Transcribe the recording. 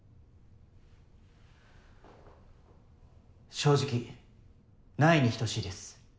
正直「ない」に等しいです。